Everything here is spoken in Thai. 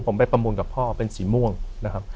ผมไปประมูลกับพ่อเป็นสีม่วงนะครับ